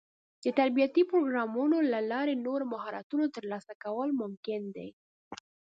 د تربيتي پروګرامونو له لارې د نوو مهارتونو ترلاسه کول ممکن دي.